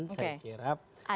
saya kira sama ke depan